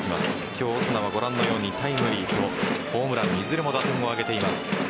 今日、オスナはご覧のようにタイムリーとホームランいずれも打点を挙げています。